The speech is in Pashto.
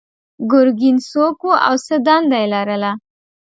ګرګین څوک و او څه دنده یې لرله؟